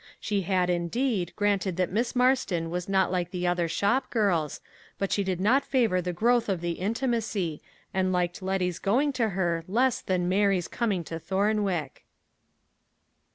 She had, indeed, granted that Miss Marston was not like other shop girls, but she did not favor the growth of the intimacy, and liked Letty's going to her less than Mary's coming to Thornwick.